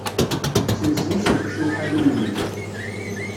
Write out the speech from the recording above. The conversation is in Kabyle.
Sselsen-as lqecc i uḥallum-nni.